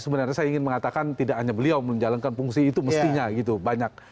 sebenarnya saya ingin mengatakan tidak hanya beliau menjalankan fungsi itu mestinya gitu banyak